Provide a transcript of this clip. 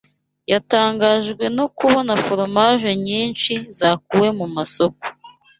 yatangajwe no kubona foromaje nyinshi zakuwe ku masoko